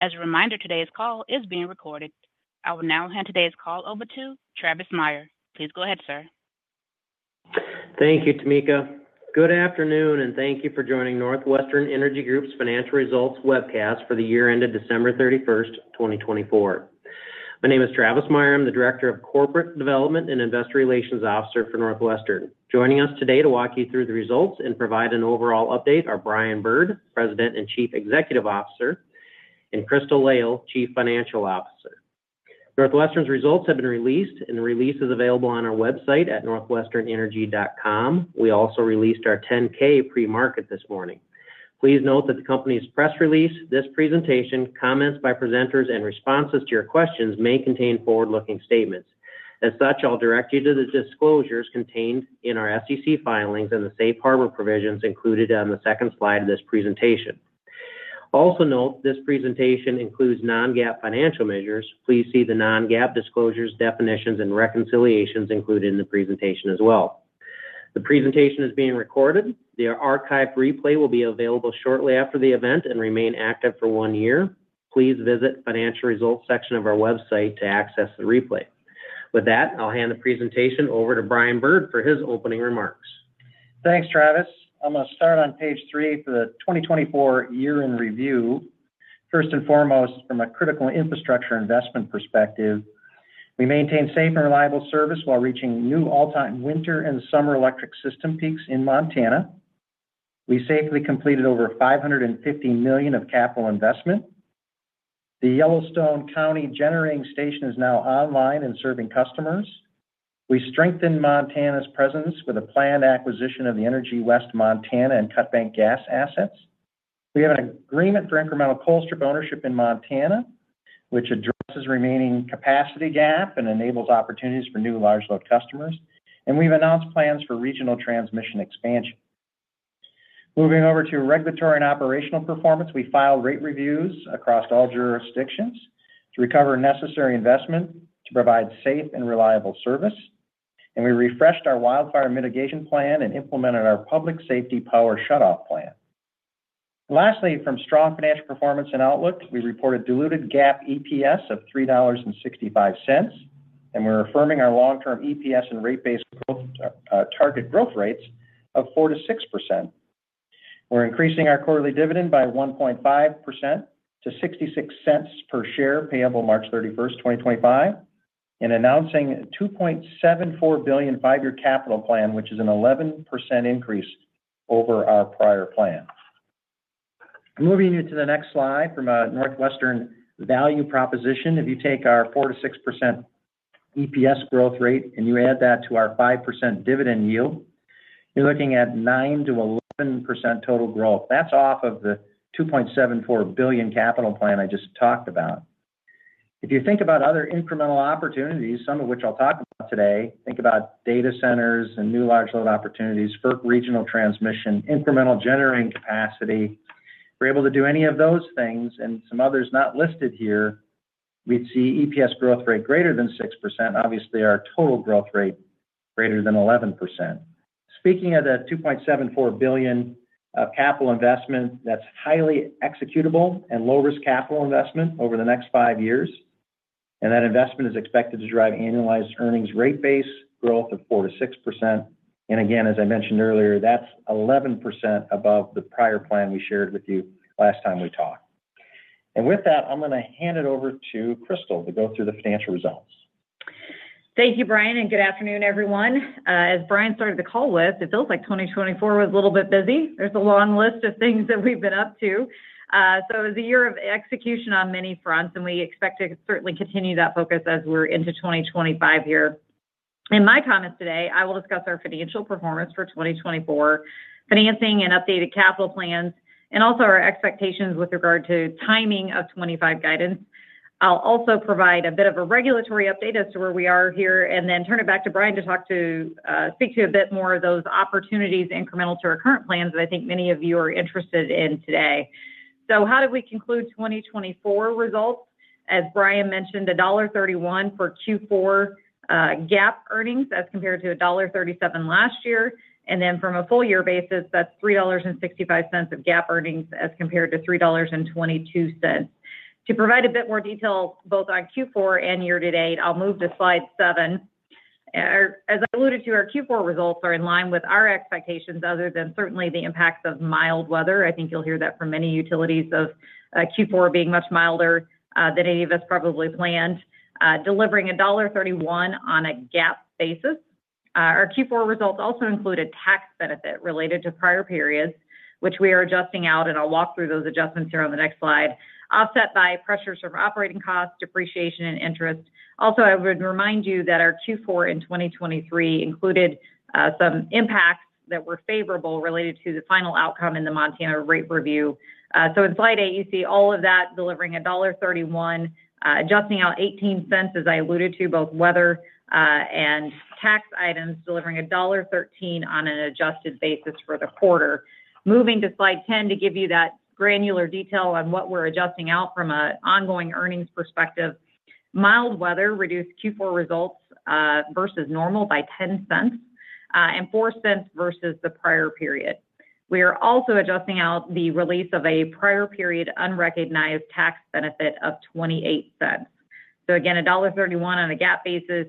As a reminder, today's call is being recorded. I will now hand today's call over to Travis Meyer. Please go ahead, sir. Thank you, Tamika. Good afternoon, and thank you for joining NorthWestern Energy Group's Financial Results Webcast for the year ended December 31st, 2024. My name is Travis Meyer. I'm the Director of Corporate Development and Investor Relations Officer for NorthWestern. Joining us today to walk you through the results and provide an overall update are Brian Bird, President and Chief Executive Officer, and Crystal Lail, Chief Financial Officer. NorthWestern's results have been released, and the release is available on our website at northwesternenergy.com. We also released our 10-K pre-market this morning. Please note that the company's press release, this presentation, comments by presenters, and responses to your questions may contain forward-looking statements. As such, I'll direct you to the disclosures contained in our SEC filings and the safe harbor provisions included on the second slide of this presentation. Also note, this presentation includes non-GAAP financial measures. Please see the non-GAAP disclosures, definitions, and reconciliations included in the presentation as well. The presentation is being recorded. The archive replay will be available shortly after the event and remain active for one year. Please visit the financial results section of our website to access the replay. With that, I'll hand the presentation over to Brian Bird for his opening remarks. Thanks, Travis. I'm going to start on page three for the 2024 year in review. First and foremost, from a critical infrastructure investment perspective, we maintain safe and reliable service while reaching new all-time winter and summer electric system peaks in Montana. We safely completed over $550 million of capital investment. The Yellowstone County Generating Station is now online and serving customers. We strengthened Montana's presence with a planned acquisition of the Energy West Montana and Cut Bank Gas assets. We have an agreement for incremental Colstrip ownership in Montana, which addresses remaining capacity gap and enables opportunities for new large load customers. And we've announced plans for regional transmission expansion. Moving over to regulatory and operational performance, we filed rate reviews across all jurisdictions to recover necessary investment to provide safe and reliable service. We refreshed our wildfire mitigation plan and implemented our Public Safety Power Shutoff plan. Lastly, from strong financial performance and outlook, we reported diluted GAAP EPS of $3.65, and we're affirming our long-term EPS and rate base target growth rates of 4%-6%. We're increasing our quarterly dividend by 1.5% to $0.66 per share payable March 31st, 2025, and announcing a $2.74 billion five-year capital plan, which is an 11% increase over our prior plan. Moving you to the next slide from a NorthWestern value proposition. If you take our 4%-6% EPS growth rate and you add that to our 5% dividend yield, you're looking at 9%-11% total growth. That's off of the $2.74 billion capital plan I just talked about. If you think about other incremental opportunities, some of which I'll talk about today, think about data centers and new large load opportunities, FERC regional transmission, incremental generating capacity. If we're able to do any of those things and some others not listed here, we'd see EPS growth rate greater than 6%, obviously our total growth rate greater than 11%. Speaking of that $2.74 billion of capital investment, that's highly executable and low-risk capital investment over the next five years. And that investment is expected to drive annualized earnings rate base growth of 4%-6%. And again, as I mentioned earlier, that's 11% above the prior plan we shared with you last time we talked. And with that, I'm going to hand it over to Crystal to go through the financial results. Thank you, Brian, and good afternoon, everyone. As Brian started the call with, it feels like 2024 was a little bit busy. There's a long list of things that we've been up to. So it was a year of execution on many fronts, and we expect to certainly continue that focus as we're into 2025 here. In my comments today, I will discuss our financial performance for 2024, financing and updated capital plans, and also our expectations with regard to timing of 2025 guidance. I'll also provide a bit of a regulatory update as to where we are here and then turn it back to Brian to speak to a bit more of those opportunities incremental to our current plans that I think many of you are interested in today. So how did we conclude 2024 results? As Brian mentioned, $1.31 for Q4 GAAP earnings as compared to $1.37 last year. And then from a full year basis, that's $3.65 of GAAP earnings as compared to $3.22. To provide a bit more detail both on Q4 and year to date, I'll move to slide seven. As I alluded to, our Q4 results are in line with our expectations other than certainly the impacts of mild weather. I think you'll hear that from many utilities of Q4 being much milder than any of us probably planned, delivering $1.31 on a GAAP basis. Our Q4 results also included tax benefit related to prior periods, which we are adjusting out, and I'll walk through those adjustments here on the next slide, offset by pressures from operating costs, depreciation, and interest. Also, I would remind you that our Q4 in 2023 included some impacts that were favorable related to the final outcome in the Montana rate review, so in slide eight, you see all of that delivering $1.31, adjusting out $0.18, as I alluded to, both weather and tax items delivering $1.13 on an adjusted basis for the quarter. Moving to slide 10 to give you that granular detail on what we're adjusting out from an ongoing earnings perspective, mild weather reduced Q4 results versus normal by $0.10 and $0.04 versus the prior period. We are also adjusting out the release of a prior period unrecognized tax benefit of $0.28. So again, $1.31 on a GAAP basis,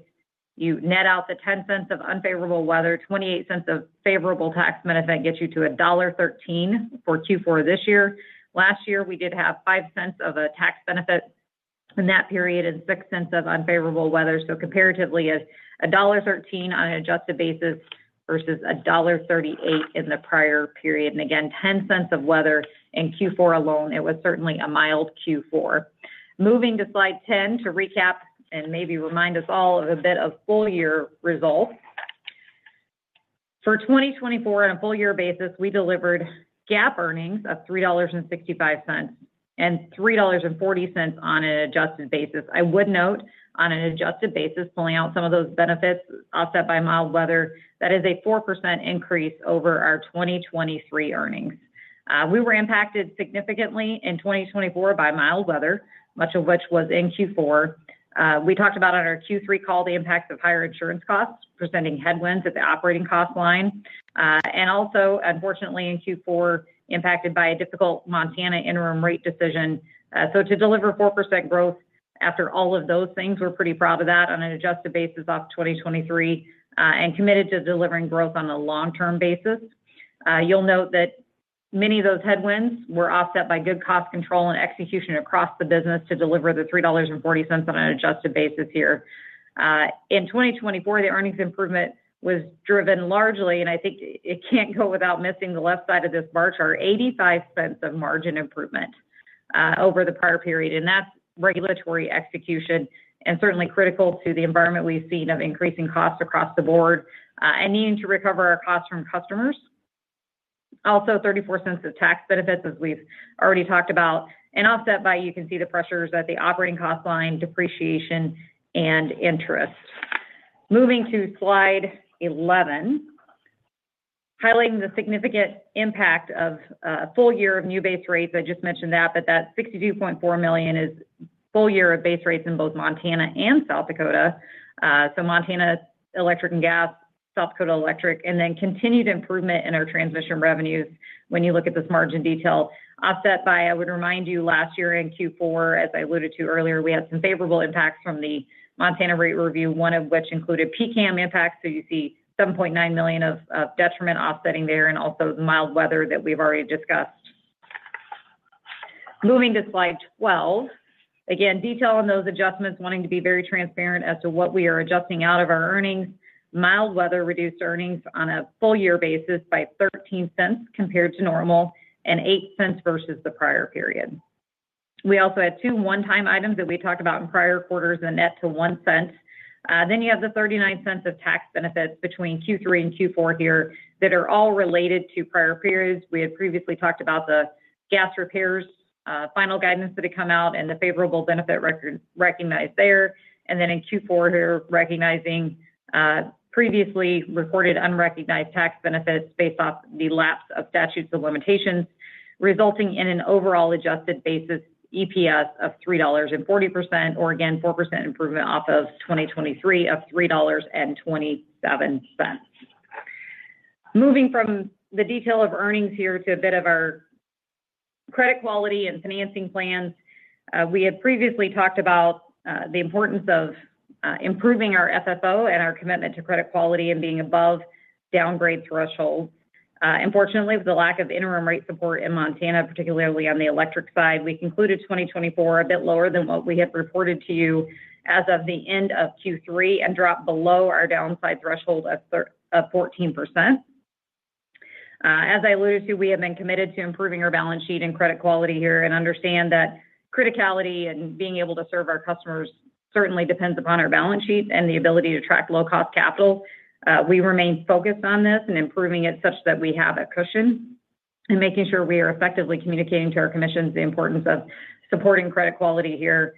you net out the $0.10 of unfavorable weather, $0.28 of favorable tax benefit gets you to $1.13 for Q4 this year. Last year, we did have $0.05 of a tax benefit in that period and $0.06 of unfavorable weather, so comparatively, $1.13 on an adjusted basis versus $1.38 in the prior period, and again, $0.10 of weather in Q4 alone. It was certainly a mild Q4. Moving to slide 10 to recap and maybe remind us all of a bit of full year results. For 2024, on a full year basis, we delivered GAAP earnings of $3.65 and $3.40 on an adjusted basis. I would note on an adjusted basis, pulling out some of those benefits offset by mild weather, that is a 4% increase over our 2023 earnings. We were impacted significantly in 2024 by mild weather, much of which was in Q4. We talked about on our Q3 call the impacts of higher insurance costs presenting headwinds at the operating cost line. And also, unfortunately, in Q4, impacted by a difficult Montana interim rate decision, so to deliver 4% growth after all of those things. We're pretty proud of that on an adjusted basis off 2023 and committed to delivering growth on a long-term basis. You'll note that many of those headwinds were offset by good cost control and execution across the business to deliver the $3.40 on an adjusted basis here. In 2024, the earnings improvement was driven largely, and I think it can't go without mentioning the left side of this bar chart, $0.85 of margin improvement over the prior period. That's regulatory execution and certainly critical to the environment we've seen of increasing costs across the board and needing to recover our costs from customers. Also, $0.34 of tax benefits, as we've already talked about, and offset by, you can see the pressures at the operating cost line, depreciation, and interest. Moving to slide 11, highlighting the significant impact of full year of new base rates. I just mentioned that, but that $62.4 million is full year of base rates in both Montana and South Dakota. So Montana Electric and Gas, South Dakota Electric, and then continued improvement in our transmission revenues when you look at this margin detail offset by, I would remind you, last year in Q4, as I alluded to earlier, we had some favorable impacts from the Montana rate review, one of which included PCAM impacts. So you see $7.9 million of detriment offsetting there and also the mild weather that we've already discussed. Moving to slide 12, again, detail on those adjustments, wanting to be very transparent as to what we are adjusting out of our earnings. Mild weather reduced earnings on a full year basis by $0.13 compared to normal and $0.08 versus the prior period. We also had two one-time items that we talked about in prior quarters and net to $0.01. Then you have the $0.39 of tax benefits between Q3 and Q4 here that are all related to prior periods. We had previously talked about the gas repairs final guidance that had come out and the favorable benefit recognized there. And then in Q4 here, recognizing previously recorded unrecognized tax benefits based off the lapse of statutes of limitations, resulting in an overall adjusted basis EPS of $3.40 or again, 4% improvement off of 2023 of $3.27. Moving from the detail of earnings here to a bit of our credit quality and financing plans, we had previously talked about the importance of improving our FFO and our commitment to credit quality and being above downgrade thresholds. Unfortunately, with the lack of interim rate support in Montana, particularly on the electric side, we concluded 2024 a bit lower than what we had reported to you as of the end of Q3 and dropped below our downside threshold of 14%. As I alluded to, we have been committed to improving our balance sheet and credit quality here and understand that criticality and being able to serve our customers certainly depends upon our balance sheet and the ability to attract low-cost capital. We remain focused on this and improving it such that we have a cushion and making sure we are effectively communicating to our commissions the importance of supporting credit quality here.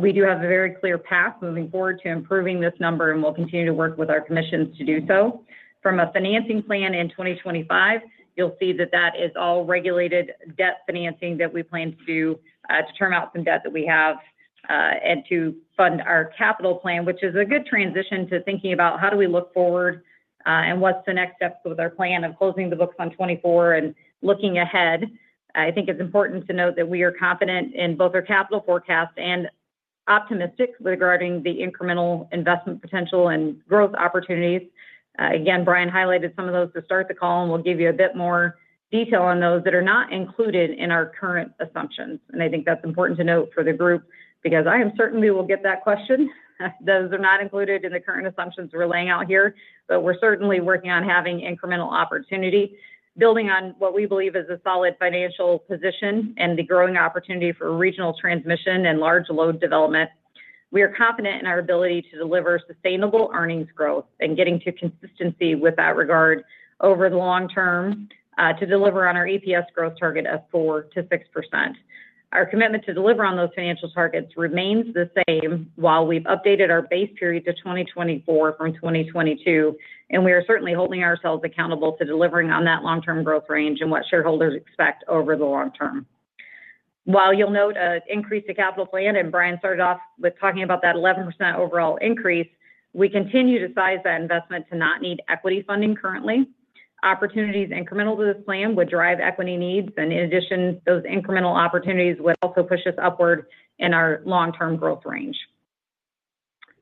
We do have a very clear path moving forward to improving this number, and we'll continue to work with our commissions to do so. From a financing plan in 2025, you'll see that that is all regulated debt financing that we plan to do to term out some debt that we have and to fund our capital plan, which is a good transition to thinking about how do we look forward and what's the next step with our plan of closing the books on 2024 and looking ahead. I think it's important to note that we are confident in both our capital forecast and optimistic regarding the incremental investment potential and growth opportunities. Again, Brian highlighted some of those to start the call, and we'll give you a bit more detail on those that are not included in our current assumptions, and I think that's important to note for the group because I am certain we will get that question. Those are not included in the current assumptions we're laying out here, but we're certainly working on having incremental opportunity, building on what we believe is a solid financial position and the growing opportunity for regional transmission and large load development. We are confident in our ability to deliver sustainable earnings growth and getting to consistency with that regard over the long term to deliver on our EPS growth target of 4%-6%. Our commitment to deliver on those financial targets remains the same while we've updated our base period to 2024 from 2022, and we are certainly holding ourselves accountable to delivering on that long-term growth range and what shareholders expect over the long term. While you'll note an increase to capital plan, and Brian started off with talking about that 11% overall increase, we continue to size that investment to not need equity funding currently. Opportunities incremental to this plan would drive equity needs, and in addition, those incremental opportunities would also push us upward in our long-term growth range.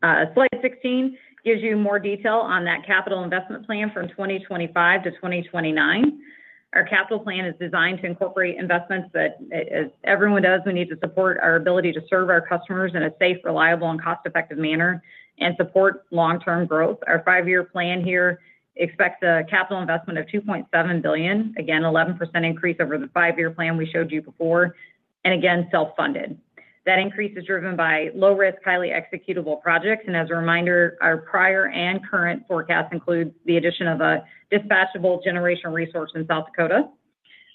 Slide 16 gives you more detail on that capital investment plan from 2025 to 2029. Our capital plan is designed to incorporate investments that, as everyone does, we need to support our ability to serve our customers in a safe, reliable, and cost-effective manner and support long-term growth. Our five-year plan here expects a capital investment of $2.7 billion, again, 11% increase over the five-year plan we showed you before, and again, self-funded. That increase is driven by low-risk, highly executable projects. As a reminder, our prior and current forecast includes the addition of a dispatchable generation resource in South Dakota.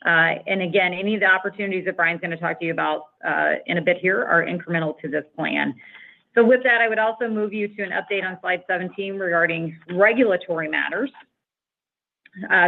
Again, any of the opportunities that Brian's going to talk to you about in a bit here are incremental to this plan. With that, I would also move you to an update on slide 17 regarding regulatory matters.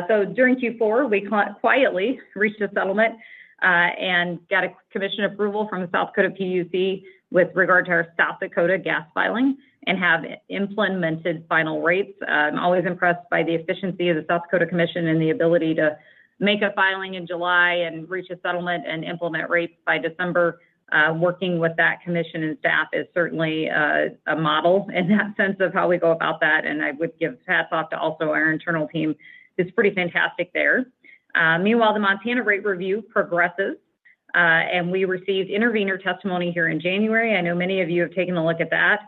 During Q4, we quietly reached a settlement and got a commission approval from the South Dakota PUC with regard to our South Dakota gas filing and have implemented final rates. I'm always impressed by the efficiency of the South Dakota Commission and the ability to make a filing in July and reach a settlement and implement rates by December. Working with that commission and staff is certainly a model in that sense of how we go about that. And I would give hats off to also our internal team. It's pretty fantastic there. Meanwhile, the Montana rate review progresses, and we received intervenor testimony here in January. I know many of you have taken a look at that.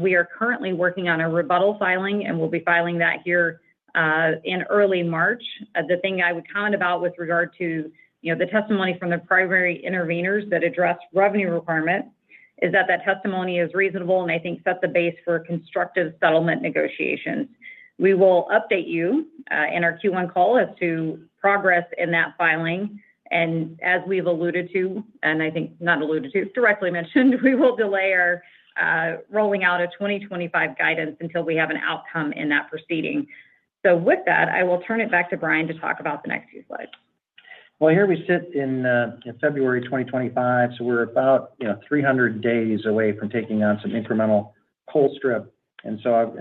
We are currently working on a rebuttal filing, and we'll be filing that here in early March. The thing I would comment about with regard to the testimony from the primary intervenors that addressed revenue requirement is that that testimony is reasonable and I think set the base for constructive settlement negotiations. We will update you in our Q1 call as to progress in that filing, and as we've alluded to, and I think not alluded to, directly mentioned, we will delay our rolling out of 2025 guidance until we have an outcome in that proceeding. With that, I will turn it back to Brian to talk about the next few slides. Here we sit in February 2025, so we're about 300 days away from taking on some incremental Colstrip. As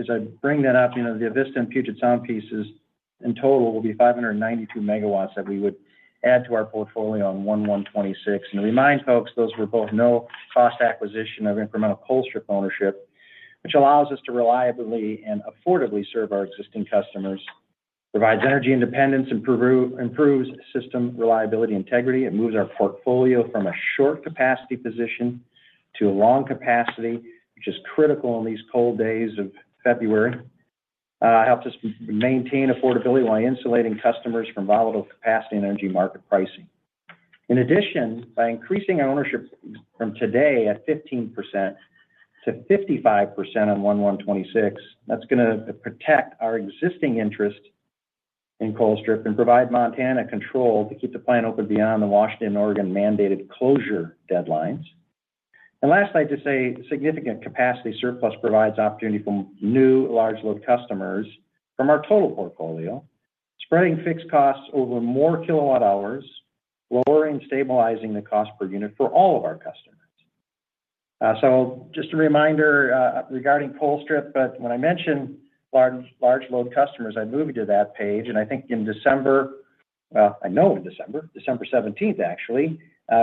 I bring that up, the Avista and Puget Sound pieces in total will be 592 MW that we would add to our portfolio on 01/01/2026. To remind folks, those were both no-cost acquisition of incremental Colstrip ownership, which allows us to reliably and affordably serve our existing customers, provides energy independence, improves system reliability integrity. It moves our portfolio from a short capacity position to a long capacity, which is critical in these cold days of February. It helps us maintain affordability while insulating customers from volatile capacity and energy market pricing. In addition, by increasing ownership from today at 15%-55% on 01/01/2026, that's going to protect our existing interest in Colstrip and provide Montana control to keep the plant open beyond the Washington and Oregon mandated closure deadlines. And last, I'd like to say significant capacity surplus provides opportunity for new large load customers from our total portfolio, spreading fixed costs over more kilowatt hours, lowering and stabilizing the cost per unit for all of our customers. Just a reminder regarding Colstrip, but when I mention large load customers, I moved to that page. And I think in December, well, I know in December, December 17th, actually,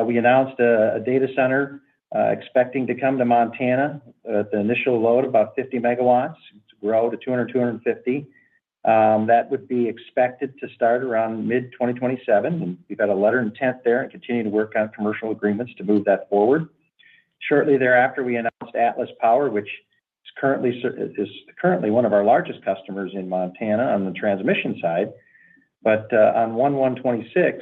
we announced a data center expecting to come to Montana at the initial load of about 50 MW to grow to 200-250 MW. That would be expected to start around mid-2027. And we've got a letter of intent there and continue to work on commercial agreements to move that forward. Shortly thereafter, we announced Atlas Power, which is currently one of our largest customers in Montana on the transmission side, but on 01/01/2026,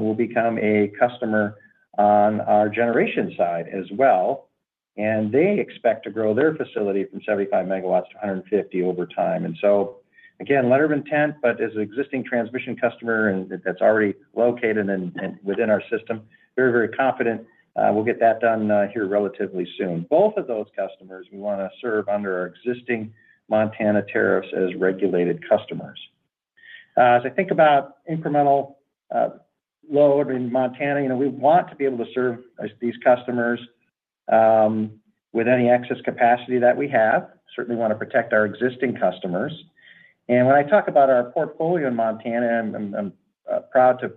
will become a customer on our generation side as well. And they expect to grow their facility from 75 MW to 150 MW over time. And so, again, letter of intent, but as an existing transmission customer that's already located within our system, very, very confident we'll get that done here relatively soon. Both of those customers, we want to serve under our existing Montana tariffs as regulated customers. As I think about incremental load in Montana, we want to be able to serve these customers with any excess capacity that we have. Certainly want to protect our existing customers. And when I talk about our portfolio in Montana, I'm proud to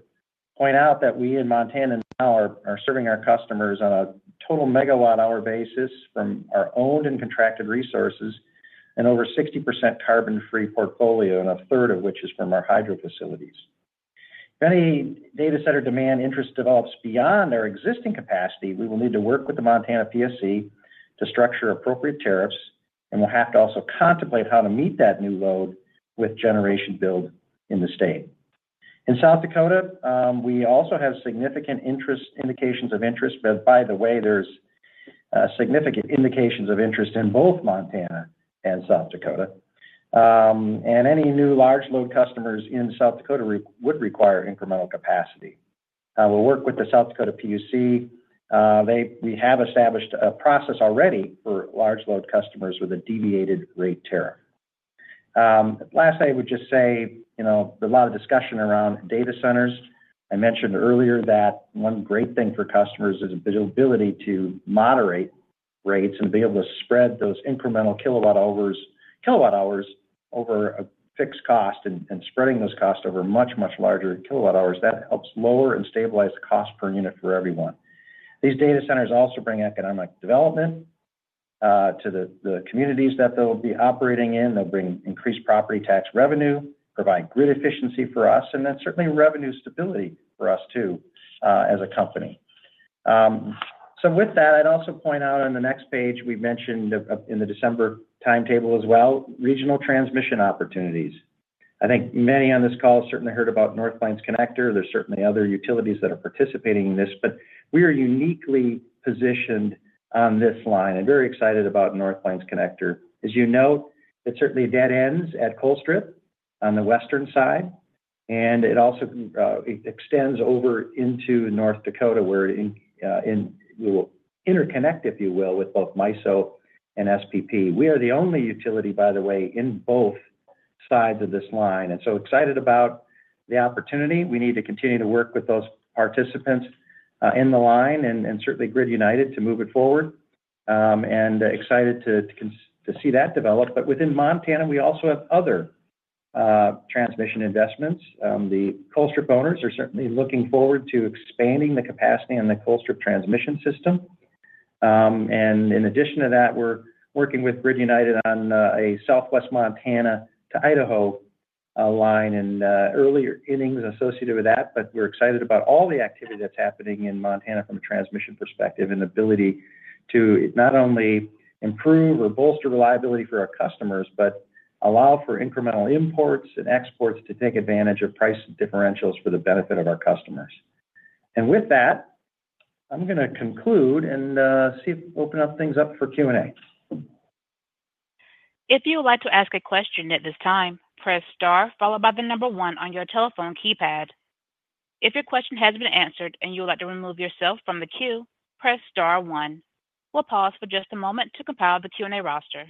point out that we in Montana now are serving our customers on a total megawatt hour basis from our owned and contracted resources and over 60% carbon-free portfolio, and a third of which is from our hydro facilities. If any data center demand interest develops beyond our existing capacity, we will need to work with the Montana PSC to structure appropriate tariffs, and we'll have to also contemplate how to meet that new load with generation build in the state. In South Dakota, we also have significant indications of interest, but by the way, there's significant indications of interest in both Montana and South Dakota, and any new large load customers in South Dakota would require incremental capacity. We'll work with the South Dakota PUC. We have established a process already for large load customers with a deviated rate tariff. Last, I would just say a lot of discussion around data centers. I mentioned earlier that one great thing for customers is the ability to moderate rates and be able to spread those incremental kilowatt hours over a fixed cost and spreading those costs over much, much larger kilowatt hours. That helps lower and stabilize the cost per unit for everyone. These data centers also bring economic development to the communities that they'll be operating in. They'll bring increased property tax revenue, provide grid efficiency for us, and then certainly revenue stability for us too as a company. So with that, I'd also point out on the next page, we mentioned in the December timetable as well, regional transmission opportunities. I think many on this call have certainly heard about North Plains Connector. There's certainly other utilities that are participating in this, but we are uniquely positioned on this line and very excited about North Plains Connector. As you know, it certainly dead ends at Colstrip on the western side, and it also extends over into North Dakota where we will interconnect, if you will, with both MISO and SPP. We are the only utility, by the way, in both sides of this line. And so excited about the opportunity. We need to continue to work with those participants in the line and certainly Grid United to move it forward and excited to see that develop. But within Montana, we also have other transmission investments. The Colstrip owners are certainly looking forward to expanding the capacity on the Colstrip transmission system. And in addition to that, we're working with Grid United on a Southwest Montana to Idaho line and early innings associated with that. But we're excited about all the activity that's happening in Montana from a transmission perspective and ability to not only improve or bolster reliability for our customers, but allow for incremental imports and exports to take advantage of price differentials for the benefit of our customers. And with that, I'm going to conclude and see if we open up things up for Q&A. If you would like to ask a question at this time, press star followed by the number one on your telephone keypad. If your question has been answered and you would like to remove yourself from the queue, press star one. We'll pause for just a moment to compile the Q&A roster.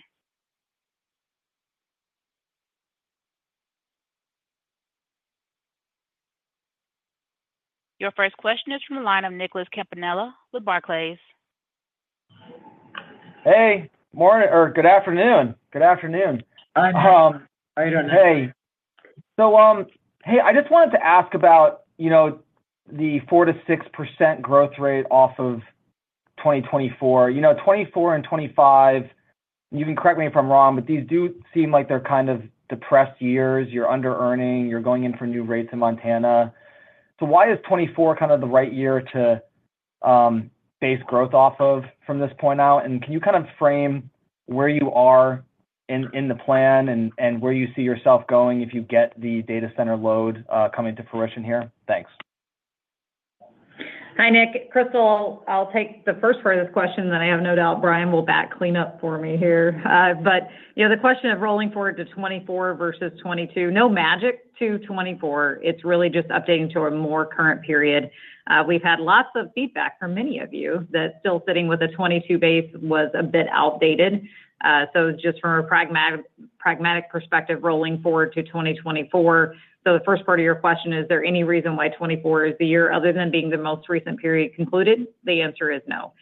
Your first question is from the line of Nicholas Campanella with Barclays. Hey. Good afternoon. Good afternoon. Hi. How are you doing? Hey. So, I just wanted to ask about the 4%-6% growth rate off of 2024. You know 2024 and 2025, you can correct me if I'm wrong, but these do seem like they're kind of depressed years. You're under-earning. You're going in for new rates in Montana. So why is 2024 kind of the right year to base growth off of from this point out? Can you kind of frame where you are in the plan and where you see yourself going if you get the data center load coming to fruition here? Thanks. Hi, Nick. Crystal, I'll take the first part of this question, and I have no doubt Brian will back me up for me here. But the question of rolling forward to 2024 versus 2022, no magic to 2024. It's really just updating to a more current period. We've had lots of feedback from many of you that still sitting with a 2022 base was a bit outdated. So just from a pragmatic perspective, rolling forward to 2024. So the first part of your question, is there any reason why 2024 is the year other than being the most recent period concluded? The answer is no.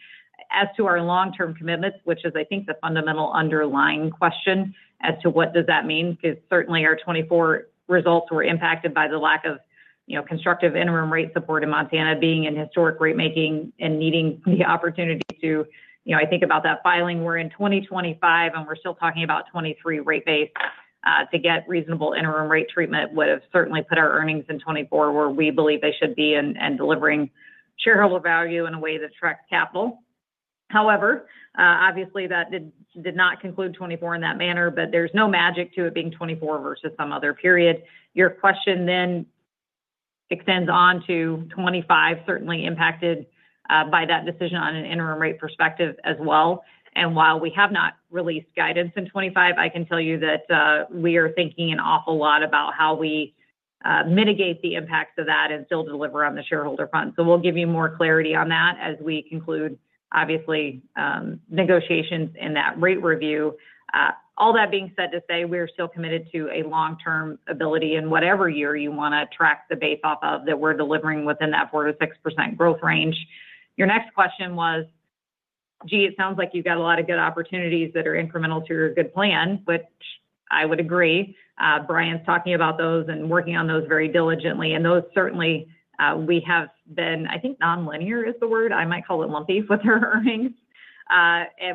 As to our long-term commitments, which is, I think, the fundamental underlying question as to what does that mean, because certainly our 2024 results were impacted by the lack of constructive interim rate support in Montana being in historic rate making and needing the opportunity to, I think about that filing. We're in 2025, and we're still talking about 2023 rate base to get reasonable interim rate treatment would have certainly put our earnings in 2024 where we believe they should be and delivering shareholder value in a way that attracts capital. However, obviously, that did not conclude 2024 in that manner, but there's no magic to it being 2024 versus some other period. Your question then extends on to 2025, certainly impacted by that decision on an interim rate perspective as well. While we have not released guidance in 2025, I can tell you that we are thinking an awful lot about how we mitigate the impacts of that and still deliver on the shareholder fund. We'll give you more clarity on that as we conclude, obviously, negotiations in that rate review. All that being said to say, we are still committed to a long-term ability in whatever year you want to track the base off of that we're delivering within that 4%-6% growth range. Your next question was, gee, it sounds like you've got a lot of good opportunities that are incremental to your good plan, which I would agree. Brian's talking about those and working on those very diligently. And those certainly we have been, I think, nonlinear is the word. I might call it lumpy with our earnings.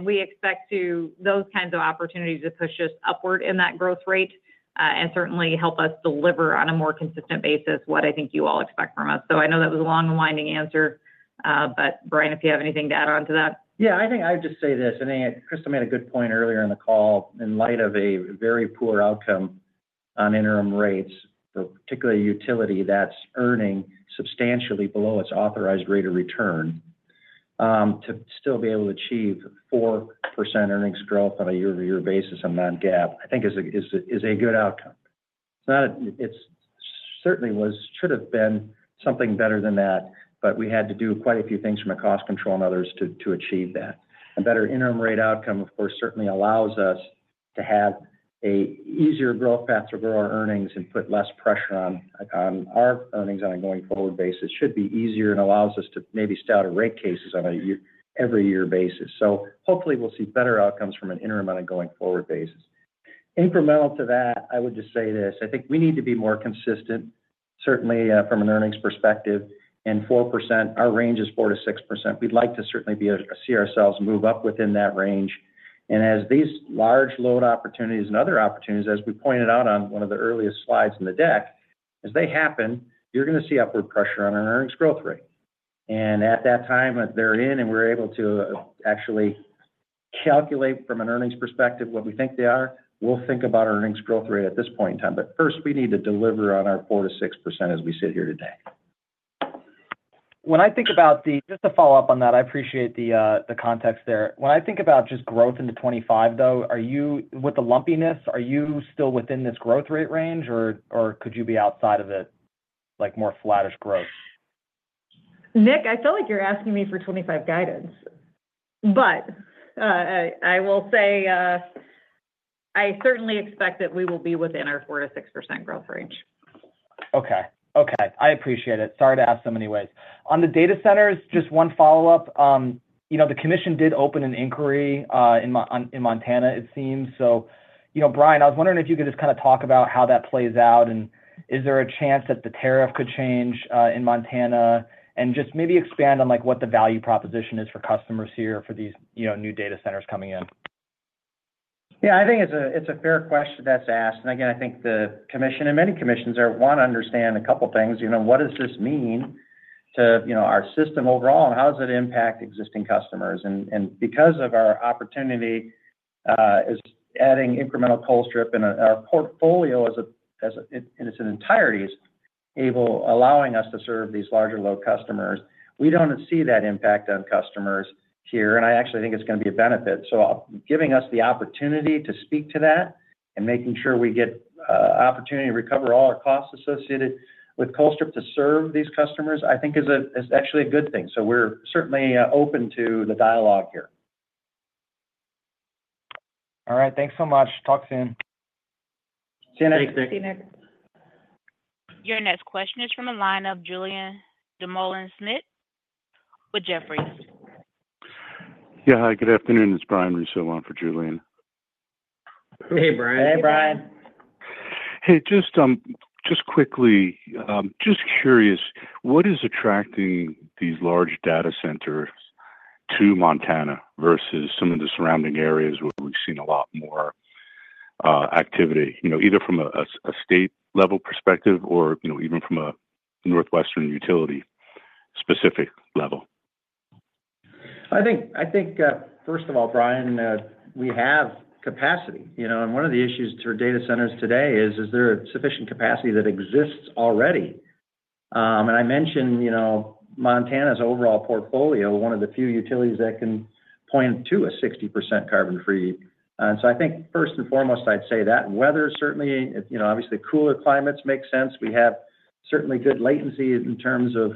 We expect those kinds of opportunities to push us upward in that growth rate and certainly help us deliver on a more consistent basis what I think you all expect from us. So I know that was a long and winding answer, but Brian, if you have anything to add on to that? Yeah, I think I would just say this. I think Crystal made a good point earlier in the call. In light of a very poor outcome on interim rates for a particular utility that's earning substantially below its authorized rate of return, to still be able to achieve 4% earnings growth on a year-over-year basis on non-GAAP, I think is a good outcome. It certainly should have been something better than that, but we had to do quite a few things from a cost control and others to achieve that. A better interim rate outcome, of course, certainly allows us to have an easier growth path to grow our earnings and put less pressure on our earnings on a going forward basis. Should be easier and allows us to maybe sell out rate cases on an every year basis. So hopefully, we'll see better outcomes from an interim on a going forward basis. Incremental to that, I would just say this. I think we need to be more consistent, certainly from an earnings perspective. And 4%, our range is 4%-6%. We'd like to certainly see ourselves move up within that range. And as these large load opportunities and other opportunities, as we pointed out on one of the earliest slides in the deck, as they happen, you're going to see upward pressure on our earnings growth rate. At that time, they're in, and we're able to actually calculate from an earnings perspective what we think they are. We'll think about our earnings growth rate at this point in time. First, we need to deliver on our 4%-6% as we sit here today. When I think about the, just to follow up on that, I appreciate the context there. When I think about just growth into 2025, though, with the lumpiness, are you still within this growth rate range, or could you be outside of it, like more flattish growth? Nick, I feel like you're asking me for 2025 guidance, but I will say I certainly expect that we will be within our 4%-6% growth range. Okay. Okay. I appreciate it. Sorry to ask so many ways. On the data centers, just one follow-up. The commission did open an inquiry in Montana, it seems. So Brian, I was wondering if you could just kind of talk about how that plays out, and is there a chance that the tariff could change in Montana and just maybe expand on what the value proposition is for customers here for these new data centers coming in? Yeah, I think it's a fair question that's asked. And again, I think the commission and many commissions want to understand a couple of things. What does this mean to our system overall, and how does it impact existing customers? And because of our opportunity as adding incremental Colstrip in our portfolio in its entirety, allowing us to serve these larger load customers, we don't see that impact on customers here. And I actually think it's going to be a benefit. So giving us the opportunity to speak to that and making sure we get an opportunity to recover all our costs associated with Colstrip to serve these customers, I think is actually a good thing. So we're certainly open to the dialogue here. All right. Thanks so much. Talk soon. See you, Nick. See you, Nick. Your next question is from the line of Julian DuMoulin-Smith with Jefferies. Yeah. Hi, good afternoon. It's Brian Russo for Julian. Hey, Brian. Hey, Brian. Hey, just quickly, just curious, what is attracting these large data centers to Montana versus some of the surrounding areas where we've seen a lot more activity, either from a state-level perspective or even from a NorthWestern utility-specific level? I think, first of all, Brian, we have capacity. And one of the issues to our data centers today is, is there sufficient capacity that exists already? And I mentioned Montana's overall portfolio, one of the few utilities that can point to a 60% carbon-free. And so I think, first and foremost, I'd say that weather, certainly, obviously, cooler climates make sense. We have certainly good latency in terms of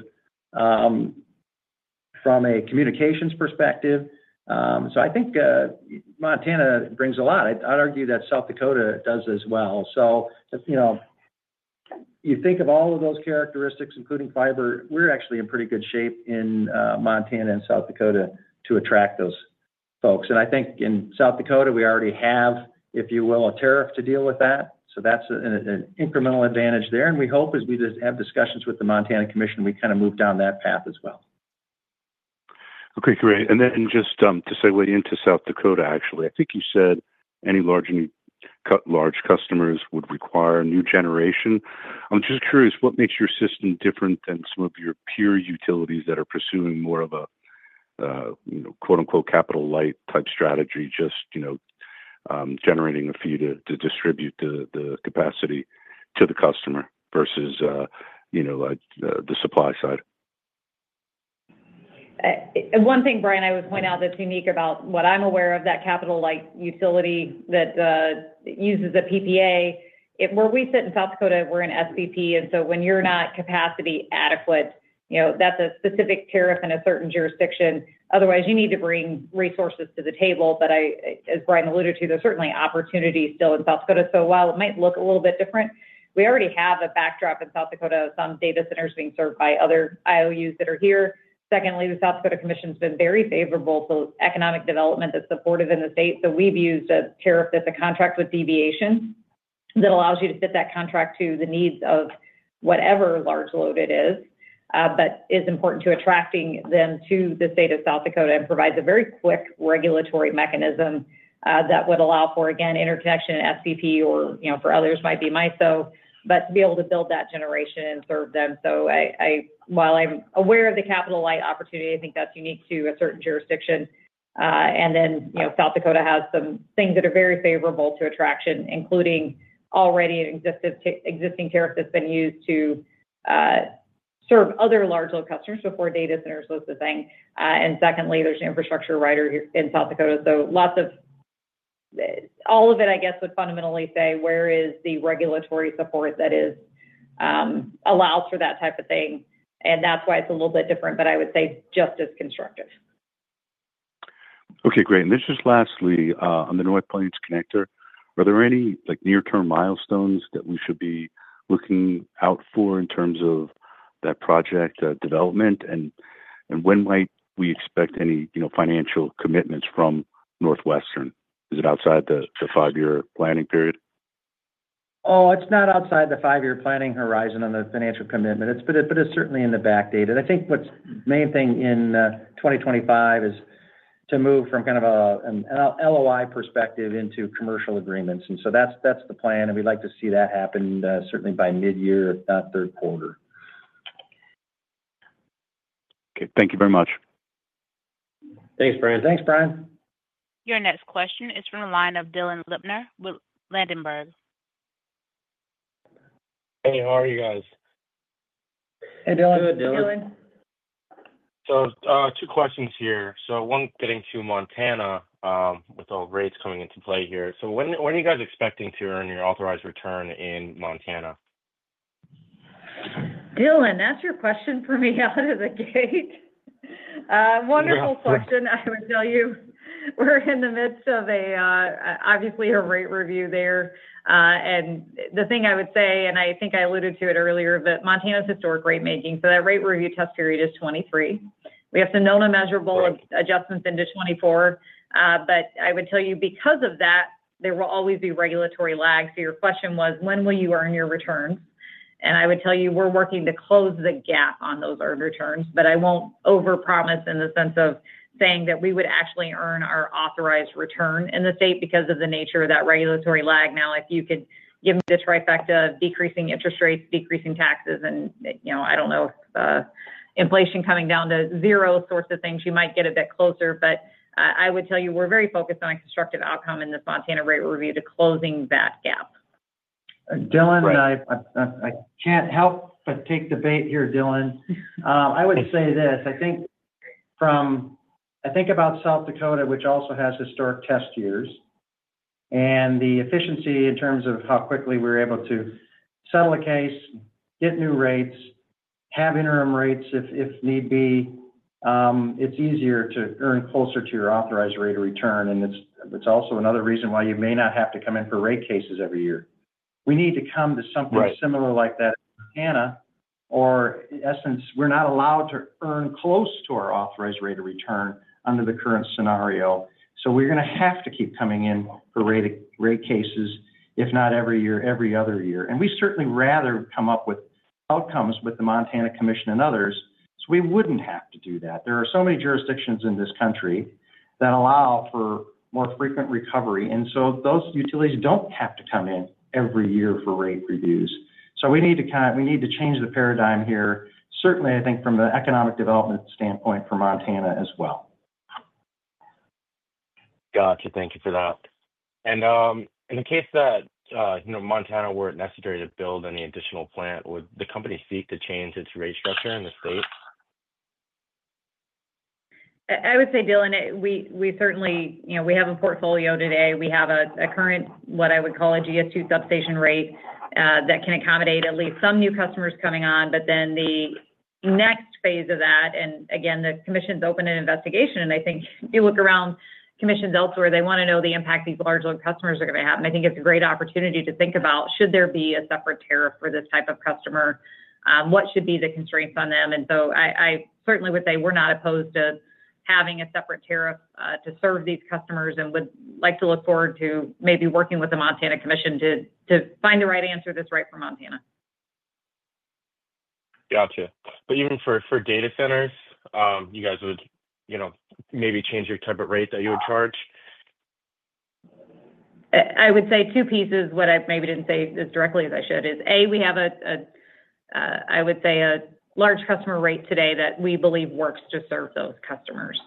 from a communications perspective. So I think Montana brings a lot. I'd argue that South Dakota does as well. So you think of all of those characteristics, including fiber, we're actually in pretty good shape in Montana and South Dakota to attract those folks. And I think in South Dakota, we already have, if you will, a tariff to deal with that. So that's an incremental advantage there. And we hope as we have discussions with the Montana Commission, we kind of move down that path as well. Okay. Great. And then just to segue into South Dakota, actually, I think you said any large customers would require new generation. I'm just curious, what makes your system different than some of your pure utilities that are pursuing more of a "capital light" type strategy, just generating a fee to distribute the capacity to the customer versus the supply side? One thing, Brian, I would point out that's unique about what I'm aware of, that capital light utility that uses a PPA. Where we sit in South Dakota, we're an SPP. And so when you're not capacity adequate, that's a specific tariff in a certain jurisdiction. Otherwise, you need to bring resources to the table. But as Brian alluded to, there's certainly opportunity still in South Dakota. So while it might look a little bit different, we already have a backdrop in South Dakota of some data centers being served by other IOUs that are here. Secondly, the South Dakota Commission has been very favorable to economic development that's supportive in the state. So we've used a tariff that's a contract with deviation that allows you to fit that contract to the needs of whatever large load it is, but is important to attracting them to the state of South Dakota and provides a very quick regulatory mechanism that would allow for, again, interconnection and SPP or for others might be MISO. But to be able to build that generation and serve them. So while I'm aware of the capital light opportunity, I think that's unique to a certain jurisdiction. And then South Dakota has some things that are very favorable to attraction, including already an existing tariff that's been used to serve other large load customers before data centers was the thing. And secondly, there's an infrastructure rider in South Dakota. So all of it, I guess, would fundamentally say, where is the regulatory support that allows for that type of thing. And that's why it's a little bit different, but I would say just as constructive. Okay. Great. And this is lastly on the North Plains Connector. Are there any near-term milestones that we should be looking out for in terms of that project development? And when might we expect any financial commitments from NorthWestern? Is it outside the five-year planning period? Oh, it's not outside the five-year planning horizon on the financial commitment, but it's certainly in the back half. And I think the main thing in 2025 is to move from kind of an LOI perspective into commercial agreements. And so that's the plan. And we'd like to see that happen certainly by mid-year, if not Q3. Okay. Thank you very much. Thanks, Brian. Thanks, Brian. Your next question is from the line of Dylan Lipner with Ladenburg. Hey, how are you guys? Hey, Dylan. Good, Dylan. So two questions here. So one getting to Montana with all rates coming into play here. So when are you guys expecting to earn your authorized return in Montana? Dylan, that's your question for me out of the gate. Wonderful question. I would tell you we're in the midst of, obviously, a rate review there. And the thing I would say, and I think I alluded to it earlier, but Montana's historic rate making. So that rate review test period is 2023. We have some known and measurable adjustments into 2024. But I would tell you, because of that, there will always be regulatory lag. So your question was, when will you earn your returns? And I would tell you, we're working to close the gap on those earned returns. But I won't overpromise in the sense of saying that we would actually earn our authorized return in the state because of the nature of that regulatory lag. Now, if you could give me the trifecta of decreasing interest rates, decreasing taxes, and I don't know, inflation coming down to zero sorts of things, you might get a bit closer. But I would tell you, we're very focused on a constructive outcome in this Montana rate review to closing that gap. Dylan, I can't help but take the bait here, Dylan. I would say this. I think about South Dakota, which also has historic test years. And the efficiency in terms of how quickly we're able to settle a case, get new rates, have interim rates if need be, it's easier to earn closer to your authorized rate of return. And it's also another reason why you may not have to come in for rate cases every year. We need to come to something similar like that in Montana, or in essence, we're not allowed to earn close to our authorized rate of return under the current scenario. So we're going to have to keep coming in for rate cases, if not every year, every other year. And we certainly rather come up with outcomes with the Montana Commission and others. So we wouldn't have to do that. There are so many jurisdictions in this country that allow for more frequent recovery, and so those utilities don't have to come in every year for rate reviews, so we need to change the paradigm here, certainly, I think, from an economic development standpoint for Montana as well. Gotcha. Thank you for that, and in the case that Montana weren't necessary to build any additional plant, would the company seek to change its rate structure in the state? I would say, Dylan, we certainly have a portfolio today. We have a current, what I would call a GS-2 substation rate that can accommodate at least some new customers coming on, but then the next phase of that, and again, the commission's opened an investigation, and I think if you look around commissions elsewhere, they want to know the impact these large load customers are going to have. I think it's a great opportunity to think about, should there be a separate tariff for this type of customer? What should be the constraints on them? And so I certainly would say we're not opposed to having a separate tariff to serve these customers and would like to look forward to maybe working with the Montana Commission to find the right answer that's right for Montana. Gotcha. But even for data centers, you guys would maybe change your type of rate that you would charge? I would say two pieces. What I maybe didn't say as directly as I should is, A, we have, I would say, a large customer rate today that we believe works to serve those customers.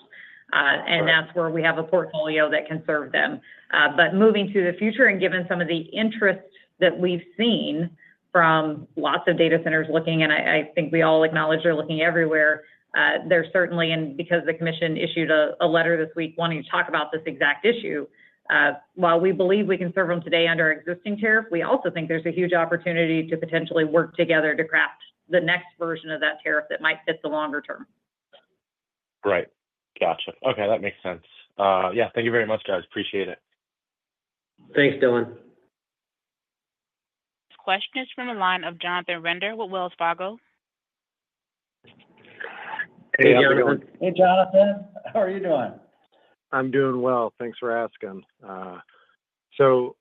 And that's where we have a portfolio that can serve them. But moving to the future, and given some of the interest that we've seen from lots of data centers looking, and I think we all acknowledge they're looking everywhere, there certainly, and because the commission issued a letter this week wanting to talk about this exact issue, while we believe we can serve them today under our existing tariff, we also think there's a huge opportunity to potentially work together to craft the next version of that tariff that might fit the longer term. Right. Gotcha. Okay. That makes sense. Yeah. Thank you very much, guys. Appreciate it. Thanks, Dylan. This question is from the line of Jonathan Reeder with Wells Fargo. Hey, Jonathan Hey, Jonathan. How are you doing? I'm doing well. Thanks for asking. So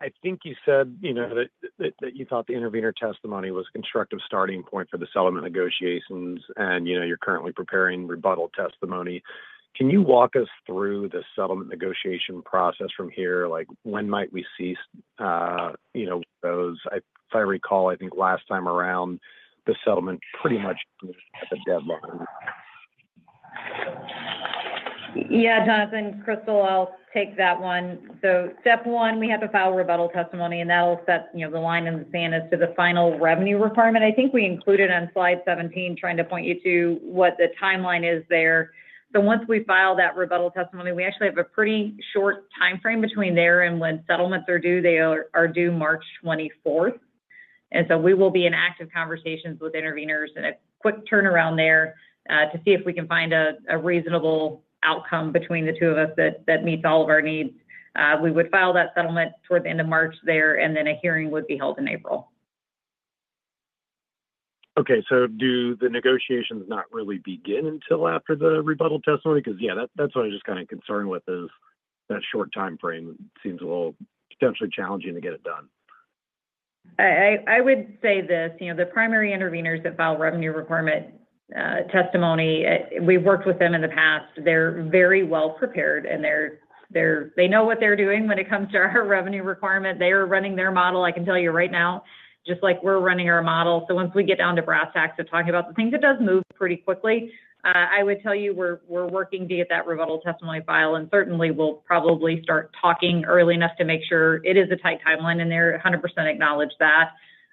I think you said that you thought the intervenor testimony was a constructive starting point for the settlement negotiations, and you're currently preparing rebuttal testimony. Can you walk us through the settlement negotiation process from here? When might we cease those? If I recall, I think last time around, the settlement pretty much ended at the deadline. Yeah, Jonathan, Crystal, I'll take that one. So step one, we have to file rebuttal testimony, and that'll set the line in the sand as to the final revenue requirement. I think we included on slide 17 trying to point you to what the timeline is there. So once we file that rebuttal testimony, we actually have a pretty short timeframe between there and when settlements are due. They are due March 24th, and so we will be in active conversations with intervenors and a quick turnaround there to see if we can find a reasonable outcome between the two of us that meets all of our needs. We would file that settlement toward the end of March there, and then a hearing would be held in April. Okay. So do the negotiations not really begin until after the rebuttal testimony? Because, yeah, that's what I'm just kind of concerned with, is that short timeframe seems a little potentially challenging to get it done. I would say this. The primary intervenors that file revenue requirement testimony, we've worked with them in the past. They're very well prepared, and they know what they're doing when it comes to our revenue requirement. They are running their model, I can tell you right now, just like we're running our model. So once we get down to brass tacks of talking about the things, it does move pretty quickly. I would tell you we're working to get that rebuttal testimony filed, and certainly, we'll probably start talking early enough to make sure it is a tight timeline, and they're 100% acknowledge that.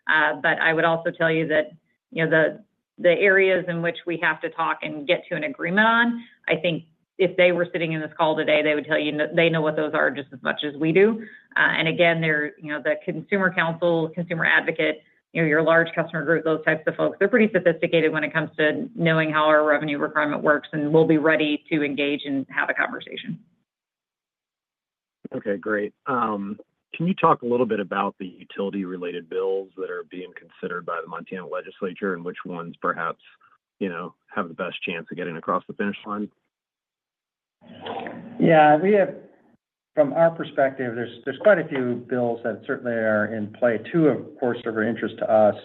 But I would also tell you that the areas in which we have to talk and get to an agreement on, I think if they were sitting in this call today, they would tell you they know what those are just as much as we do. And again, the consumer counsel, consumer advocate, your large customer group, those types of folks, they're pretty sophisticated when it comes to knowing how our revenue requirement works, and we'll be ready to engage and have a conversation. Okay. Great. Can you talk a little bit about the utility-related bills that are being considered by the Montana legislature and which ones perhaps have the best chance of getting across the finish line? Yeah. From our perspective, there's quite a few bills that certainly are in play. Two, of course, are of interest to us.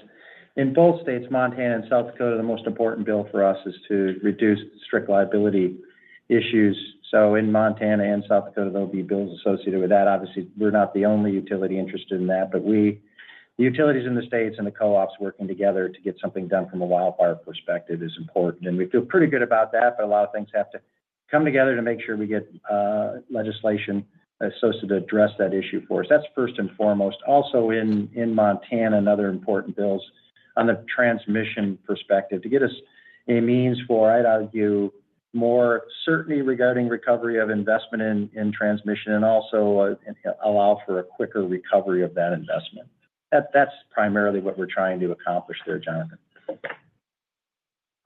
In both states, Montana and South Dakota, the most important bill for us is to reduce strict liability issues. So in Montana and South Dakota, there'll be bills associated with that. Obviously, we're not the only utility interested in that, but the utilities in the states and the co-ops working together to get something done from a wildfire perspective is important, and we feel pretty good about that, but a lot of things have to come together to make sure we get legislation associated to address that issue for us. That's first and foremost. Also, in Montana, another important bill is on the transmission perspective to get us a means for, I'd argue, more certainty regarding recovery of investment in transmission and also allow for a quicker recovery of that investment. That's primarily what we're trying to accomplish there, Jonathan.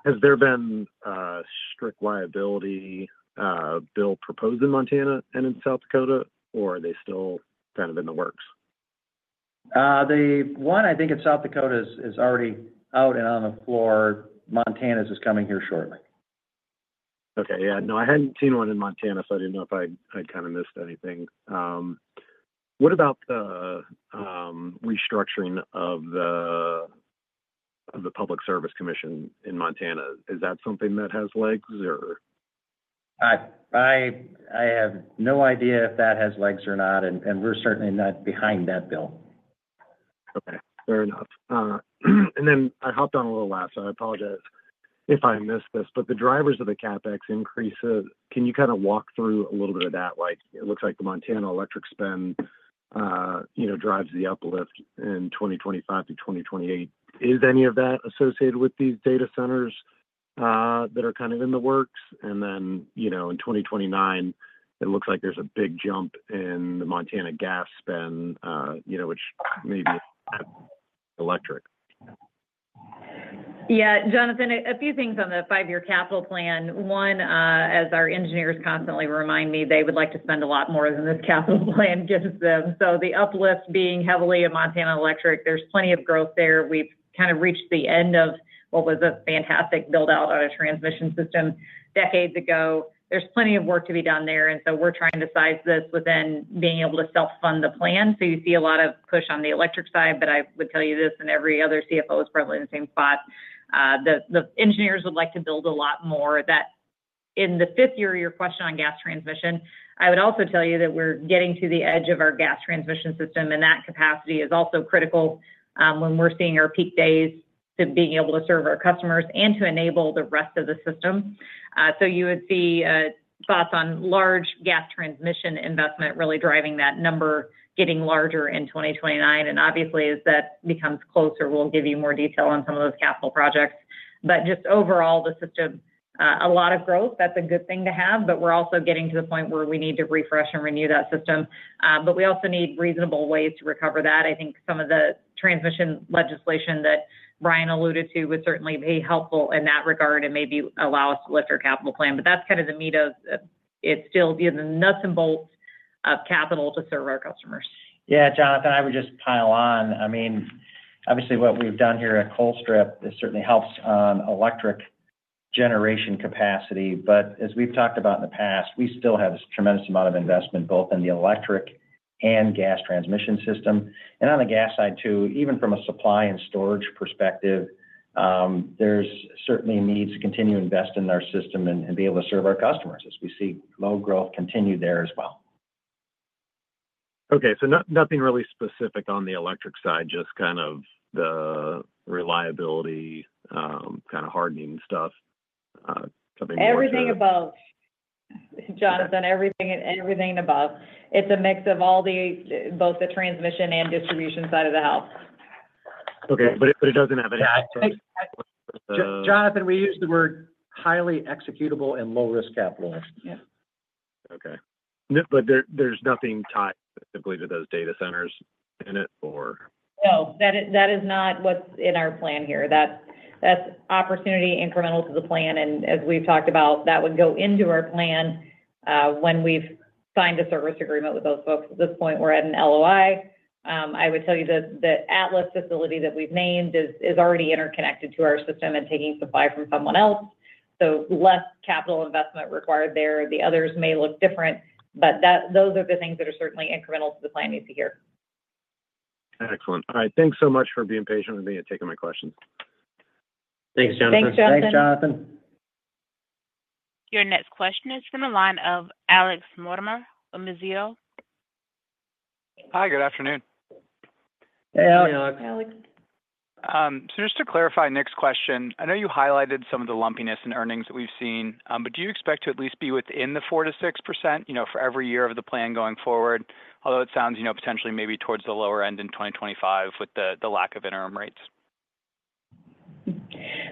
Has there been a strict liability bill proposed in Montana and in South Dakota, or are they still kind of in the works? The one, I think, in South Dakota is already out and on the floor. Montana's is coming here shortly. Okay. Yeah. No, I hadn't seen one in Montana, so I didn't know if I'd kind of missed anything. What about the restructuring of the Public Service Commission in Montana? Is that something that has legs, or? I have no idea if that has legs or not, and we're certainly not behind that bill. Okay. Fair enough. And then I hopped on a little late, so I apologize if I missed this. But the drivers of the CapEx increase, can you kind of walk through a little bit of that? It looks like the Montana electric spend drives the uplift in 2025-2028. Is any of that associated with these data centers that are kind of in the works? And then in 2029, it looks like there's a big jump in the Montana gas spend, which maybe electric. Yeah. Jonathan, a few things on the five-year capital plan. One, as our engineers constantly remind me, they would like to spend a lot more than this capital plan gives them. So the uplift being heavily in Montana electric, there's plenty of growth there. We've kind of reached the end of what was a fantastic build-out on a transmission system decades ago. There's plenty of work to be done there, and so we're trying to size this within being able to self-fund the plan, so you see a lot of push on the electric side, but I would tell you this and every other CFO is probably in the same spot. The engineers would like to build a lot more. In the fifth year, your question on gas transmission, I would also tell you that we're getting to the edge of our gas transmission system, and that capacity is also critical when we're seeing our peak days to being able to serve our customers and to enable the rest of the system, so you would see thoughts on large gas transmission investment really driving that number getting larger in 2029, and obviously, as that becomes closer, we'll give you more detail on some of those capital projects. But just overall, the system, a lot of growth. That's a good thing to have. But we're also getting to the point where we need to refresh and renew that system. But we also need reasonable ways to recover that. I think some of the transmission legislation that Brian alluded to would certainly be helpful in that regard and maybe allow us to lift our capital plan. But that's kind of the meat of it. It's still the nuts and bolts of capital to serve our customers. Yeah. Jonathan, I would just pile on. I mean, obviously, what we've done here at Colstrip, it certainly helps on electric generation capacity. But as we've talked about in the past, we still have a tremendous amount of investment both in the electric and gas transmission system. On the gas side too, even from a supply and storage perspective, there's certainly a need to continue to invest in our system and be able to serve our customers as we see low growth continue there as well. Okay. So nothing really specific on the electric side, just kind of the reliability, kind of hardening stuff, something more specific? Everything above, Jonathan. Everything above. It's a mix of both the transmission and distribution side of the house. Okay. But it doesn't have any. Jonathan, we use the word highly executable and low-risk capital. Yeah. Okay. But there's nothing tied specifically to those data centers in it, or? No. That is not what's in our plan here. That's opportunity incremental to the plan. And as we've talked about, that would go into our plan when we've signed a service agreement with those folks. At this point, we're at an LOI. I would tell you that the Atlas facility that we've named is already interconnected to our system and taking supply from someone else. So less capital investment required there. The others may look different. But those are the things that are certainly incremental to the plan needs to hear. Excellent. All right. Thanks so much for being patient with me and taking my questions. Thanks, Jonathan. Your next question is from the line of Alex Mortimer, Mizuho. Hi. Good afternoon. Hey, Alex. So just to clarify Nick's question, I know you highlighted some of the lumpiness in earnings that we've seen, but do you expect to at least be within the 4%-6% for every year of the plan going forward, although it sounds potentially maybe towards the lower end in 2025 with the lack of interim rates?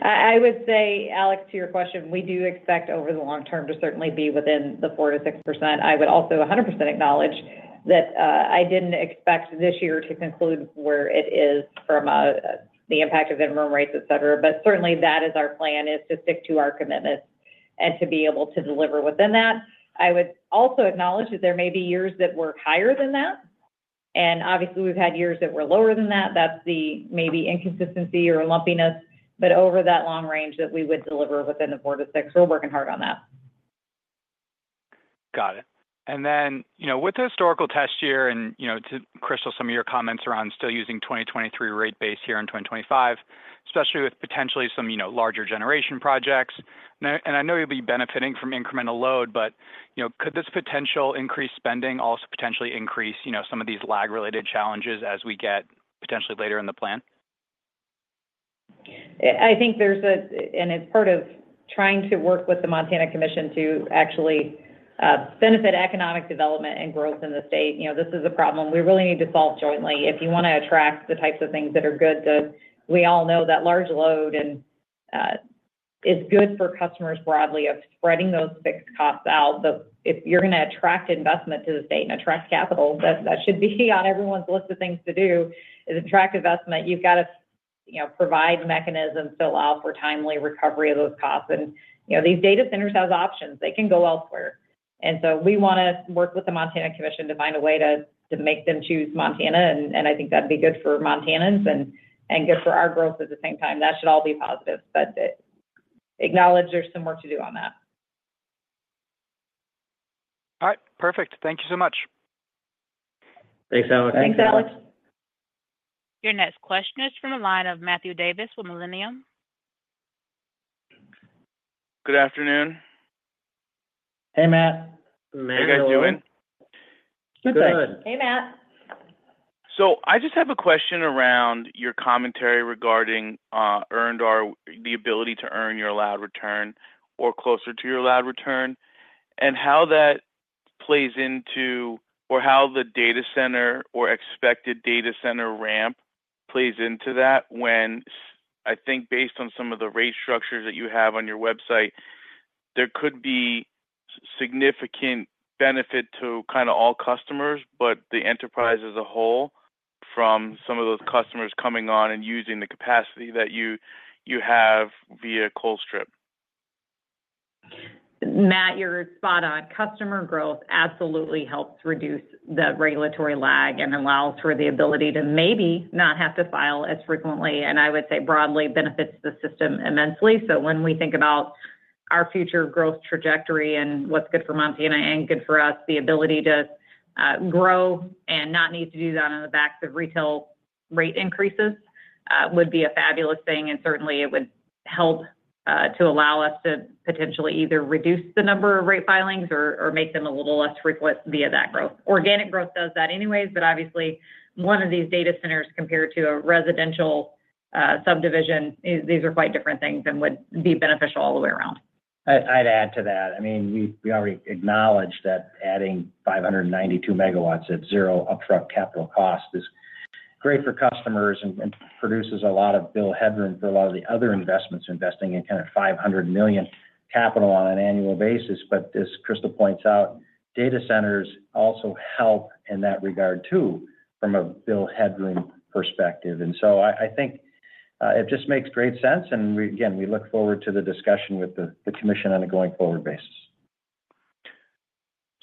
I would say, Alex, to your question, we do expect over the long term to certainly be within the 4%-6%. I would also 100% acknowledge that I didn't expect this year to conclude where it is from the impact of interim rates, etc. But certainly, that is our plan, is to stick to our commitments and to be able to deliver within that. I would also acknowledge that there may be years that were higher than that. And obviously, we've had years that were lower than that. That's the maybe inconsistency or lumpiness. But over that long range that we would deliver within the 4%-6%, we're working hard on that. Got it. And then with the historical test year and to Crystal, some of your comments around still using 2023 rate base here in 2025, especially with potentially some larger generation projects. And I know you'll be benefiting from incremental load, but could this potential increased spending also potentially increase some of these lag-related challenges as we get potentially later in the plan? I think there's a, it's part of trying to work with the Montana Commission to actually benefit economic development and growth in the state. This is a problem we really need to solve jointly. If you want to attract the types of things that are good, we all know that large load is good for customers broadly of spreading those fixed costs out. But if you're going to attract investment to the state and attract capital, that should be on everyone's list of things to do, is attract investment. You've got to provide mechanisms to allow for timely recovery of those costs. And these data centers have options. They can go elsewhere. And so we want to work with the Montana Commission to find a way to make them choose Montana. And I think that'd be good for Montanans and good for our growth at the same time. That should all be positive. But acknowledge there's some work to do on that. All right. Perfect. Thank you so much. Thanks, Alex. Thanks, Alex. Your next question is from the line of Matthew Davis with Millennium. Good afternoon. Hey, Matt. Hey, guys. How are you doing? Good. Hey, Matt. I just have a question around your commentary regarding the ability to earn your allowed return or closer to your allowed return and how that plays into or how the data center or expected data center ramp plays into that when, I think, based on some of the rate structures that you have on your website, there could be significant benefit to kind of all customers but the enterprise as a whole from some of those customers coming on and using the capacity that you have via Colstrip. Matt, you're spot on. Customer growth absolutely helps reduce the regulatory lag and allows for the ability to maybe not have to file as frequently. I would say broadly benefits the system immensely. So when we think about our future growth trajectory and what's good for Montana and good for us, the ability to grow and not need to do that on the back of retail rate increases would be a fabulous thing. And certainly, it would help to allow us to potentially either reduce the number of rate filings or make them a little less frequent via that growth. Organic growth does that anyways. But obviously, one of these data centers compared to a residential subdivision, these are quite different things and would be beneficial all the way around. I'd add to that. I mean, we already acknowledge that adding 592 MW at zero upfront capital cost is great for customers and produces a lot of bill headroom for a lot of the other investments investing in kind of $500 million capital on an annual basis. But as Crystal points out, data centers also help in that regard too from a bill headroom perspective. And so I think it just makes great sense. And again, we look forward to the discussion with the commission on a going forward basis.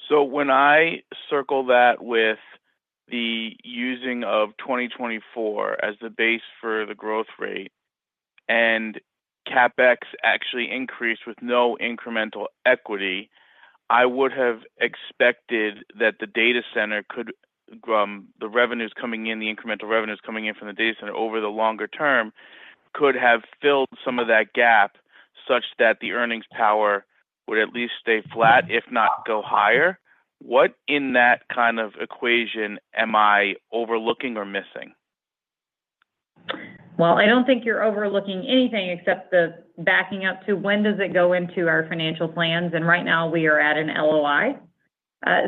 So when I circle that with the using of 2024 as the base for the growth rate and CapEx actually increased with no incremental equity, I would have expected that the data center could - the revenues coming in, the incremental revenues coming in from the data center over the longer term could have filled some of that gap such that the earnings power would at least stay flat, if not go higher. What in that kind of equation am I overlooking or missing? Well, I don't think you're overlooking anything except the backing up to when does it go into our financial plans. And right now, we are at an LOI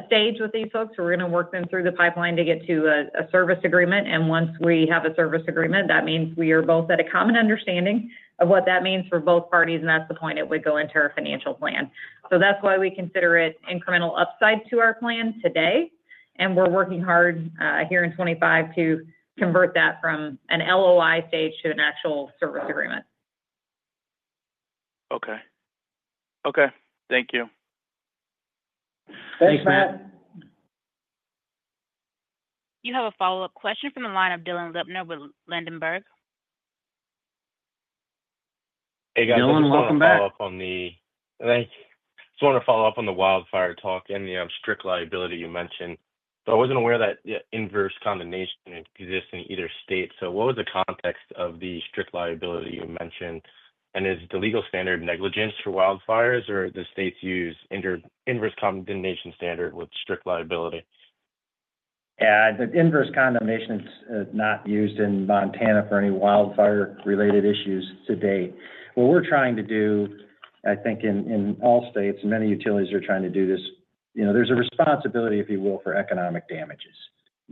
stage with these folks. We're going to work them through the pipeline to get to a service agreement. And once we have a service agreement, that means we are both at a common understanding of what that means for both parties. And that's the point it would go into our financial plan. So that's why we consider it incremental upside to our plan today. And we're working hard here in 2025 to convert that from an LOI stage to an actual service agreement. Okay. Okay. Thank you. Thanks, Matt. You have a follow-up question from the line of Dylan Lipner with Ladenburg. Hey, guys. Dylan, welcome back. I just wanted to follow up on the wildfire talk and the strict liability you mentioned. But I wasn't aware that inverse condemnation exists in either state. What was the context of the strict liability you mentioned? And is the legal standard negligence for wildfires, or do states use inverse condemnation standard with strict liability? Yeah. The inverse condemnation is not used in Montana for any wildfire-related issues to date. What we're trying to do, I think in all states, and many utilities are trying to do this, there's a responsibility, if you will, for economic damages.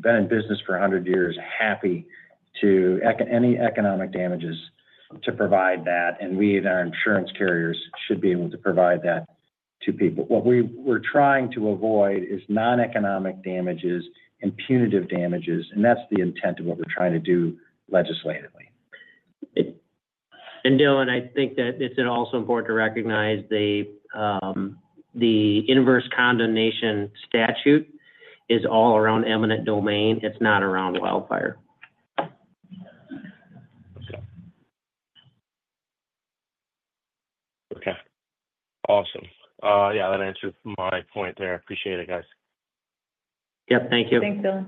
Been in business for 100 years, happy to any economic damages to provide that. And we and our insurance carriers should be able to provide that to people. What we're trying to avoid is non-economic damages and punitive damages. And that's the intent of what we're trying to do legislatively. And Dylan, I think that it's also important to recognize the inverse condemnation statute is all around eminent domain. It's not around wildfire. Okay. Awesome. Yeah. That answered my point there. I appreciate it, guys. Yep. Thank you. Thanks, Dylan.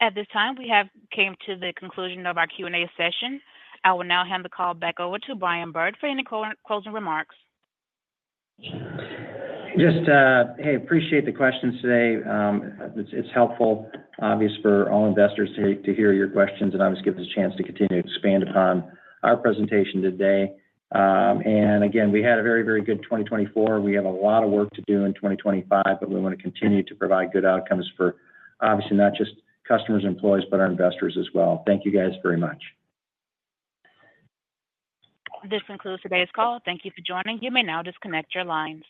At this time, we have come to the conclusion of our Q&A session. I will now hand the call back over to Brian Bird for any closing remarks. Just hey, appreciate the questions today. It's helpful, obviously, for all investors to hear your questions and obviously give us a chance to continue to expand upon our presentation today. And again, we had a very, very good 2024. We have a lot of work to do in 2025, but we want to continue to provide good outcomes for obviously not just customers, employees, but our investors as well. Thank you guys very much. This concludes today's call. Thank you for joining. You may now disconnect your lines.